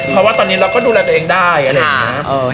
เพราะว่าตอนนี้เราก็ดูแลตัวเองได้อะไรอย่างนี้